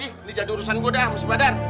ini jadi urusan gua dah bersibadan